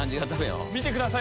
見てください